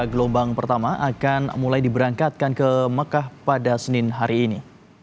gelombang pertama akan mulai diberangkatkan ke mekah pada senin hari ini